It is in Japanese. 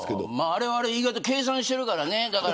あれは言い方を計算してるからね。